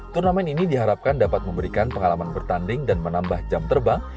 turnamen ini diharapkan dapat memberikan pengalaman bertanding dan menambah jam terbang